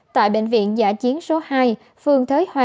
tại bệnh viện giả chiến số hai phường thới hoa